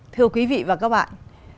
thưa quý vị và các bạn